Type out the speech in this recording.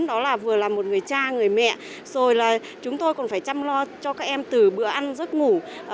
đó là vừa là một người cha người mẹ rồi là chúng tôi còn phải chăm lo cho các em từ bữa ăn giấc ngủ